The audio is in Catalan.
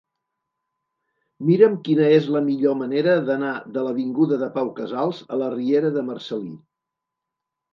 Mira'm quina és la millor manera d'anar de l'avinguda de Pau Casals a la riera de Marcel·lí.